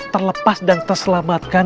terlepas dan terselamatkan